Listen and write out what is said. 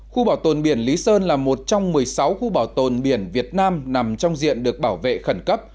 khu bảo tồn biển lý sơn là một trong một mươi sáu khu bảo tồn biển việt nam nằm trong diện được bảo vệ khẩn cấp